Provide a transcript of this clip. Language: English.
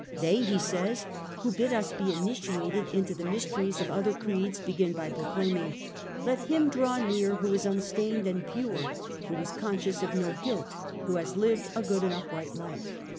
' They,* he says, ^ who bid us be initiated into the mysteries of other creeds begin by proclaiming, ' Let him draw near who is unstained and pure, who is conscious of no guilt, who has lived a good and upright life.